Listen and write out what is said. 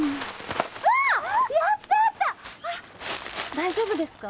大丈夫ですか？